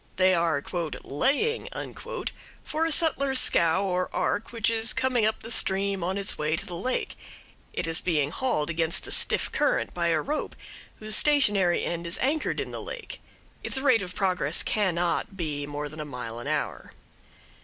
They are "laying" for a settler's scow or ark which is coming up the stream on its way to the lake; it is being hauled against the stiff current by a rope whose stationary end is anchored in the lake; its rate of progress cannot be more than a mile an hour.